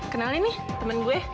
kenalin nih temen gue